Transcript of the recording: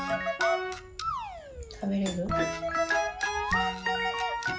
たべれる？